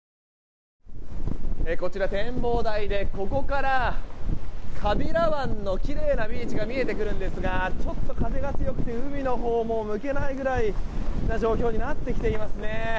こちら、展望台でここから川平湾のきれいなビーチが見えてくるんですがちょっと風が強くて海のほうも向けないぐらいの状況になってきていますね。